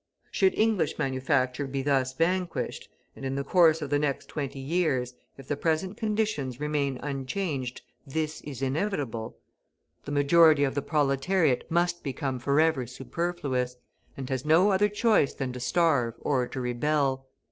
Should English manufacture be thus vanquished and in the course of the next twenty years, if the present conditions remain unchanged, this is inevitable the majority of the proletariat must become forever superfluous, and has no other choice than to starve or to rebel.